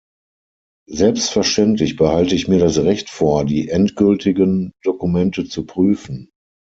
Selbstverständlich behalte ich mir das Recht vor, die endgültigen Dokumente zu prüfen.